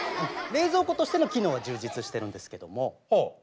冷蔵庫としての機能が充実してるんですけども。